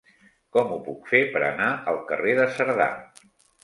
Com ho puc fer per anar al carrer de Cerdà?